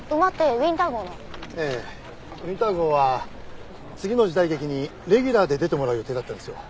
ウィンター号は次の時代劇にレギュラーで出てもらう予定だったんですよ。